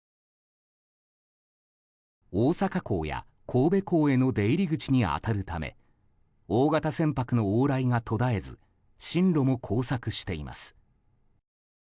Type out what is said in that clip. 大阪港や神戸港への出入り口に当たるため大型船舶の往来が途絶えず針路も交錯しています。